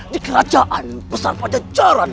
di kerajaan besar besar jalan